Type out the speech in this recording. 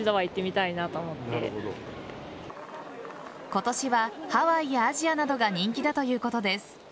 今年はハワイやアジアなどが人気だということです。